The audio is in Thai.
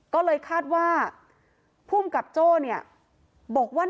ก็เลยคาดว่าผู้กำกับโจ้บอกว่า